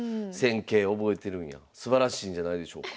すばらしいんじゃないでしょうか。